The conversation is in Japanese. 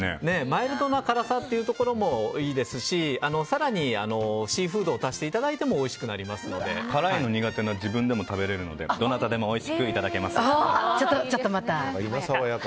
マイルドな辛さというところもいいですし更にシーフードを足していただいても辛いの苦手な自分でも食べれるのでどなたでもおいしくいただけます。